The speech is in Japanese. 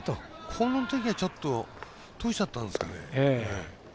このときはちょっとどうしちゃったんですかね。